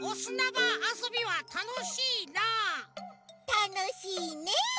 たのしいね！